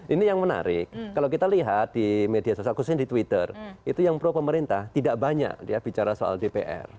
ini yang menarik kalau kita lihat di media sosial khususnya di twitter itu yang pro pemerintah tidak banyak ya bicara soal dpr